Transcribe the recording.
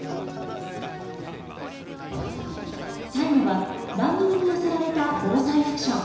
最後は番組に寄せられた防災アクション。